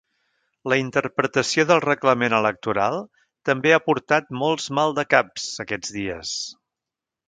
La interpretació del reglament electoral també ha portat molts maldecaps, aquests dies.